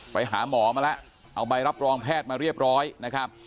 ไปหาหมอมาแล้วเอาใบรับรองแพทย์มาเรียบร้อยนะครับ